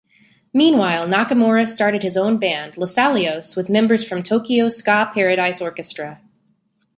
Meanwhile, Nakamura started his own band "Losalios" with members from Tokyo Ska Paradise Orchestra.